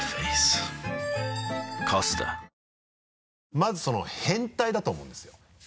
まずその変態だと思うんですよ。